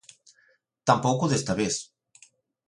Tampouco desta vez.